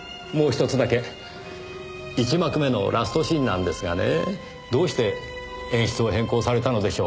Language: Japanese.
一幕目のラストシーンなんですがねぇどうして演出を変更されたのでしょう？